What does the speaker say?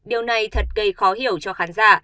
điều này thật gây khó hiểu cho khán giả